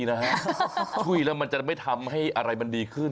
ช่วยแล้วมันจะไม่ทำให้อะไรมันดีขึ้น